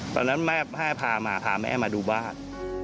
ตอนนั้นแม่พามาพาแม่มาดูบ้าน